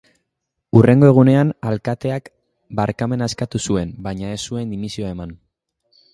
Hurrengo egunean, alkateak barkamena eskatu zuen, baina ez zuen dimisioa eman.